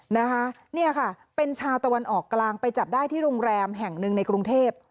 นะคะเนี่ยค่ะเป็นชาวตะวันออกกลางไปจับได้ที่โรงแรมแห่งหนึ่งในกรุงเทพ